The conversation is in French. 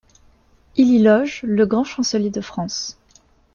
Il y loge le Grand Chancelier de France.